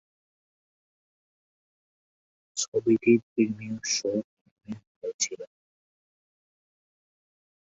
ছবিটির প্রিমিয়ার শো-টাইমে হয়েছিল।